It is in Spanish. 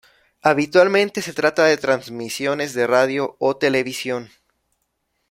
Habitualmente se trata de transmisiones de radio o televisión.